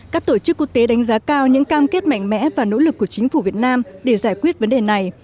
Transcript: các tổ chức quốc tế đánh giá cao những cam kết mạnh mẽ và nỗ lực của chính phủ việt nam để giải quyết vấn đề này